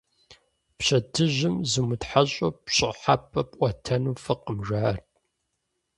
Пщэдджыжьым зумытхьэщӀу пщӀыхьэпӀэ пӀуэтэну фӀыкъым, жаӀэрт.